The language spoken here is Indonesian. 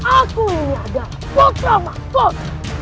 aku ini adalah potra makkot